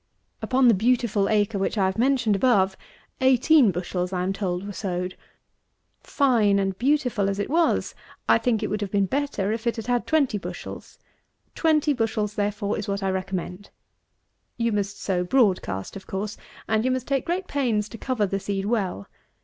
Upon the beautiful acre which I have mentioned above, eighteen bushels, I am told, were sowed; fine and beautiful as it was, I think it would have been better if it had had twenty bushels; twenty bushels, therefore, is what I recommend. You must sow broad cast, of course, and you must take great pains to cover the seed well.